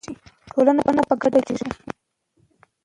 ټولنه په ګډه جوړیږي.